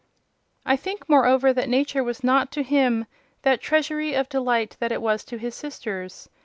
I think, moreover, that Nature was not to him that treasury of delight it was to his sisters.